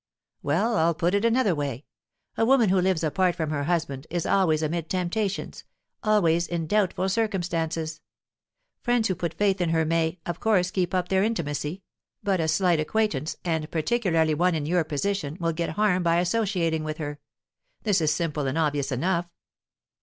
"Well, I'll put it in another way. A woman who lives apart from her husband is always amid temptations, always in doubtful circumstances. Friends who put faith in her may, of course, keep up their intimacy; but a slight acquaintance, and particularly one in your position, will get harm by associating with her. This is simple and obvious enough."